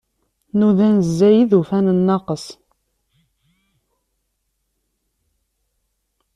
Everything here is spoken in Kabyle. Nudan zzayed, ufan nnaqes.